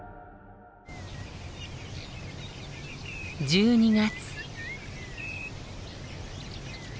１２月。